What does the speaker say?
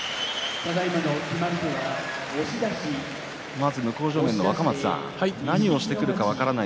まず向正面の若松さん何をしてくるか分からない